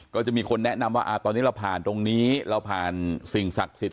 ก็จะมีคนแนะนำว่าตอนนี้เราผ่านตรงนี้เราผ่านสิ่งศักดิ์สิทธิ